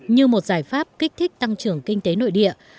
như một giải pháp kích thích tăng trưởng kinh tế nội địa